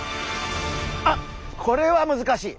あっこれは難しい。